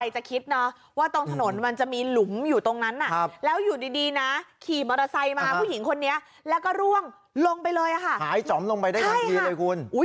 จะคิดนะว่าตรงถนนมันจะมีหลุมอยู่ตรงนั้นแล้วอยู่ดีนะขี่มอเตอร์ไซค์มาผู้หญิงคนนี้แล้วก็ร่วงลงไปเลยค่ะหายจ๋อมลงไปได้ทันทีเลยคุณ